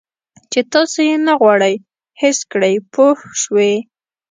چې تاسو یې نه غواړئ حس کړئ پوه شوې!.